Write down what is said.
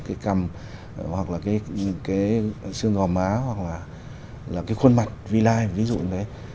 cái cầm hoặc là cái xương gò má hoặc là cái khuôn mặt vi lai ví dụ như thế